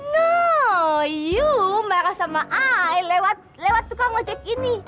no iu marah sama i lewat lewat tukang ojek ini